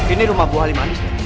ini rumah bu halimandis